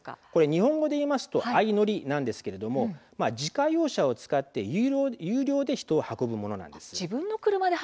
日本語で言いますと相乗りなんですが自家用車を使って有料で人を運ぶものです。